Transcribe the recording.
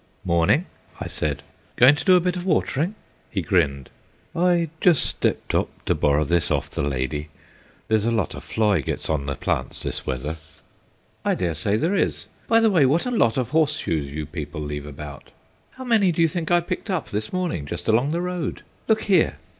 "Morning," I said; "going to do a bit of watering?" He grinned. "Just stepped up to borrer this off the lady; there's a lot of fly gets on the plants this weather." "I dare say there is. By the way, what a lot of horseshoes you people leave about. How many do you think I picked up this morning just along the road? Look here!"